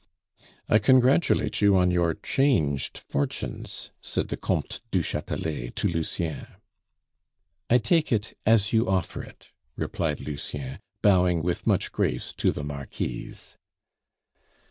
"I congratulate you on your changed fortunes," said the Comte du Chatelet to Lucien. "I take it as you offer it," replied Lucien, bowing with much grace to the Marquise.